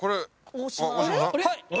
はい。